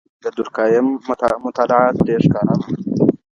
د دورکهایم مطالعات ډیر ښکاره وو.